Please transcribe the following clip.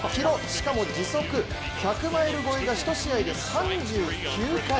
しかも、時速１００マイル超えが１試合で３９回。